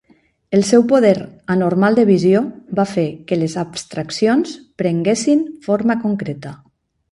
El seu poder anormal de visió va fer que les abstraccions prenguessin forma concreta.